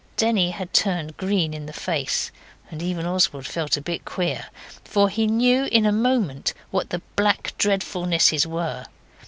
Denny turned green in the face and even Oswald felt a bit queer, for he knew in a moment what the black dreadfulnesses were.